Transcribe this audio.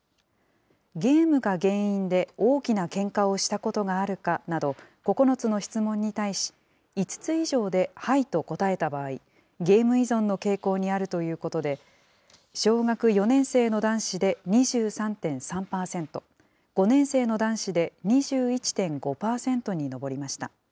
ゲームが原因で大きなけんかをしたことがあるかなど、９つの質問に対し、５つ以上ではいと答えた場合、ゲーム依存の傾向にあるということで、小学４年生の男子で２３．３％、５年生の男子で２１．５％に上りました。